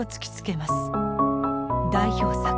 代表作